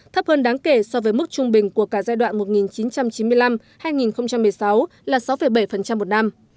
thấp hơn đáng kể so với mức trung bình của cả giai đoạn một nghìn chín trăm chín mươi năm hai nghìn một mươi sáu là sáu bảy một năm